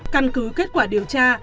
căn cứ kết quả điều tra